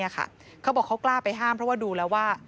เขาบอกเขากล้าไปห้ามเพราะว่าดูแล้วว่า